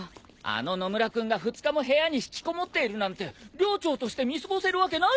あの野村君が２日も部屋に引きこもっているなんて寮長として見過ごせるわけないじゃないか。